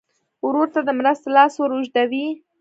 ورور ته د مرستې لاس ور اوږدوې.